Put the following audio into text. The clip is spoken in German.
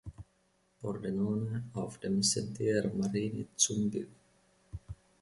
Pordenone auf dem Sentiero Marini zum Biv.